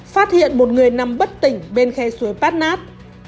phát hiện một người nằm bất tỉnh bên khe suối pát nát